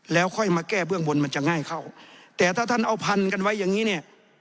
แล้วค่อยมาแก้เบื้องบนมันจะง่ายเข้าแต่ถ้าท่านเอาพันกันไว้อย่างนี้เนี่ย